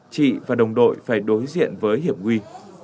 chị và đồng đội phải đối diện với hiểm nguy